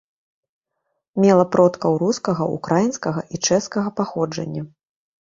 Мела продкаў рускага, украінскага і чэшскага паходжання.